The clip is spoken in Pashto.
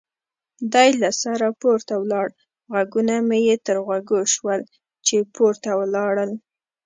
دی له سره پورته ولاړ، غږونه مې یې تر غوږو شول چې پورته ولاړل.